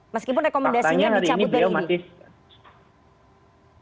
meskipun rekomendasinya dicabut dari ini